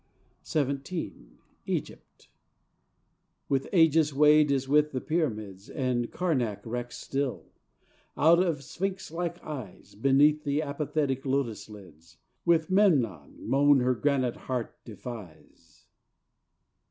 XVII Egypt With ages weighed as with the pyramids And Karnac wrecks, still out of Sphinx like eyes Beneath the apathetic lotus lids With Memnon moan her granite heart defies.